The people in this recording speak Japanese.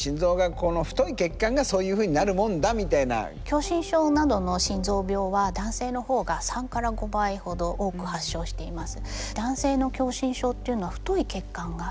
狭心症などの心臓病は男性の方が３から５倍ほど多く発症しています。